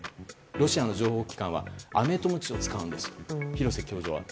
ロシアの情報機関はアメとムチを使うんです。